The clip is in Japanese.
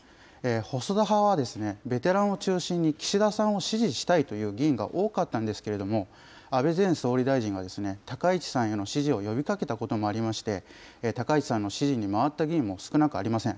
細田派はベテランを中心に岸田さんを支持したいという議員が多かったんですけれども、安倍前総理大臣が高市さんへの支持を呼びかけたこともありまして、高市さんの支持に回った議員も少なくありません。